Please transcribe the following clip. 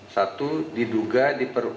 satu diduga diperkutakan